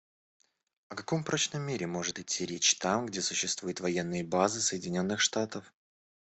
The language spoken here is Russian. О каком прочном мире может идти речь там, где существуют военные базы Соединенных Штатов?